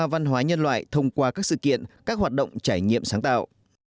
văn hóa nhân loại thông qua các sự kiện các hoạt động trải nghiệm sáng tạo